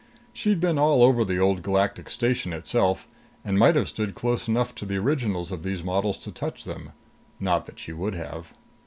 She'd been all over the Old Galactic Station itself, and might have stood close enough to the originals of these models to touch them. Not that she would have.